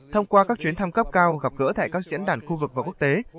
thông qua các chuyến thăm cấp cao gặp gỡ tại các diễn đàn khu vực và quốc tế